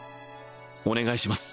お願いします